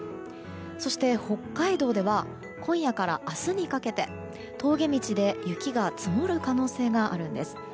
そして、北海道では今夜から明日にかけて峠道で雪が積もる可能性があるんです。